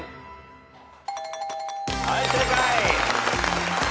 はい正解！